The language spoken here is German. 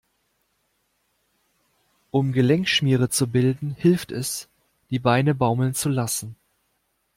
Um Gelenkschmiere zu bilden, hilft es, die Beine baumeln zu lassen.